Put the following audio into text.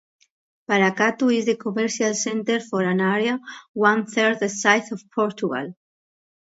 Paracatu is the commercial center for an area one third the size of Portugal.